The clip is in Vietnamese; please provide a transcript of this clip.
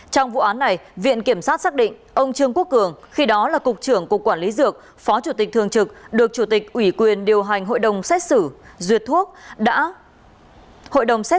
trong vụ án này viện kiểm sát xác định ông trương quốc cường khi đó là cục trưởng cục quản lý dược phó chủ tịch thường trực được chủ tịch ủy quyền điều hành hội đồng xét xử duyệt thuốc